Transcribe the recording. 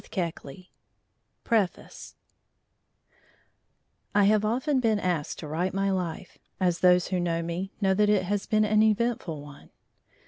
PREFACE I have often been asked to write my life, as those who know me know that it has been an eventful one.